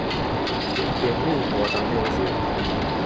新坪里活動中心